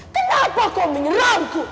kenapa kau menyerangku